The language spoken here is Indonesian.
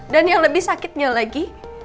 dan yang lebih sakitnya lagi